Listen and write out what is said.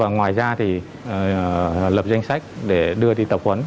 ngoài ra thì lập danh sách để đưa đi tập huấn